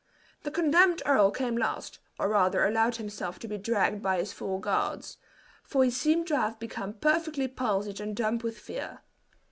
The condemned earl came last, or rather allowed himself to be dragged by his four guards; for he seemed to have become perfectly palsied and dumb with fear.